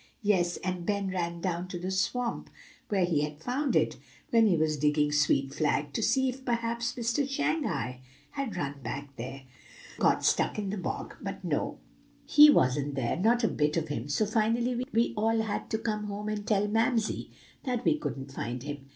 Yes, and Ben ran down to the swamp where he had found it, when he was digging sweet flag, to see if perhaps Mister Shanghai had run back there, and got stuck in the bog; but no, he wasn't there, not a bit of him, so finally we all had to come home and tell Mamsie that we couldn't find him.